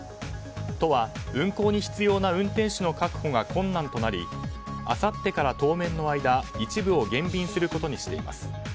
都は運行に必要な運転手の確保が困難となりあさってから当面の間一部を減便することにしています